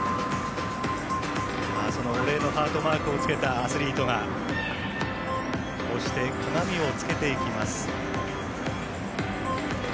お礼のハートマークをつけたアスリートがこうして鏡をつけていきます。